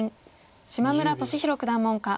島村俊廣九段門下。